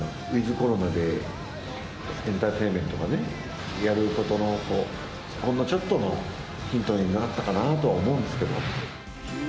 ウィズコロナでエンターテインメントがね、やることの、ほんのちょっとのヒントになったかなと思うんですけど。